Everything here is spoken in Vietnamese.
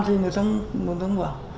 thì người ta không có sản xuất được